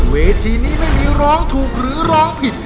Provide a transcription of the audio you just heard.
เวทีนี้ไม่มีร้องถูกหรือร้องผิด